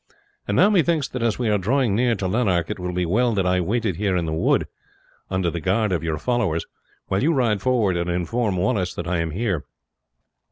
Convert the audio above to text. And now methinks that as we are drawing near to Lanark, it will be well that I waited here in this wood, under the guard of your followers, while you ride forward and inform Wallace that I am here.